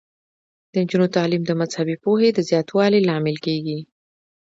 د نجونو تعلیم د مذهبي پوهې د زیاتوالي لامل کیږي.